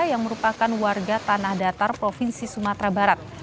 yang merupakan warga tanah datar provinsi sumatera barat